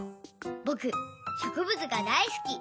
ぼくしょくぶつが大すき。